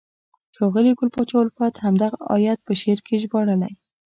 ښاغلي ګل پاچا الفت همدغه آیت په شعر کې ژباړلی: